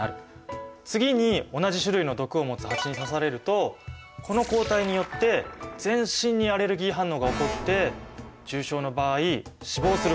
次に同じ種類の毒を持つハチに刺されるとこの抗体によって全身にアレルギー反応が起こって重症の場合死亡することがある。